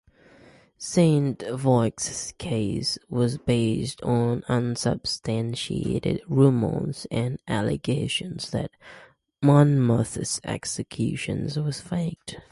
Saint-Foix's case was based on unsubstantiated rumours and allegations that Monmouth's execution was faked.